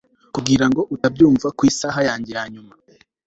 Kugira ngo utabyumva ku isaha yanjye yanyuma